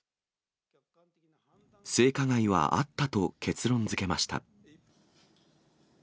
性加害はあったと結論づけました。